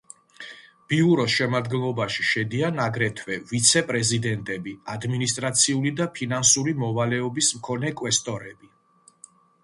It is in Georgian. ბიუროს შემადგენლობაში შედიან აგრეთვე ვიცე-პრეზიდენტები, ადმინისტრაციული და ფინანსური მოვალეობის მქონე კვესტორები.